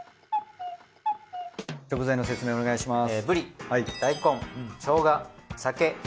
食材の説明をお願いします。